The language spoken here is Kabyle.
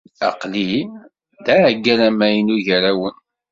Aqli d aɛeggal amaynut gar-awen.